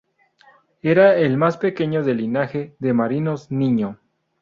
Era el más pequeño del linaje de marinos "Niño".